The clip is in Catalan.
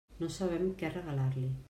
No sabem què regalar-li.